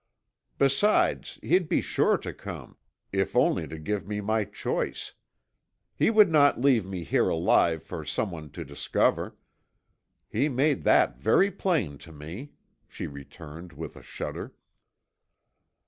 Besides, he'd be sure to come, if only to give me my choice. He would not leave me here alive for someone to discover. He made that very plain to me," she returned, with a shudder.